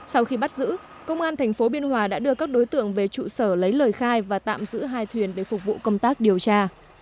sau khi bắt giữ công an tp biên hòa đã đưa các đối tượng về trụ sở lấy lời khai và tạm giữ hai thuyền để phục vụ công tác điều tra